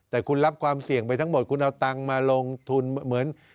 แต่คุณรับความเสี่ยงไปทั้งหมดคุณเอาตังค์มาลงทุนเหมือน